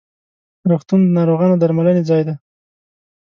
روغتون د ناروغانو د درملنې ځای ده.